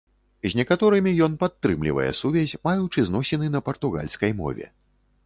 З некаторымі ён падтрымлівае сувязь, маючы зносіны на партугальскай мове.